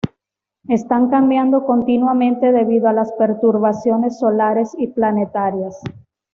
Están cambiando continuamente debido a las perturbaciones solares y planetarias.